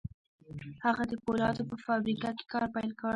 هغه د پولادو په فابريکه کې کار پيل کړ.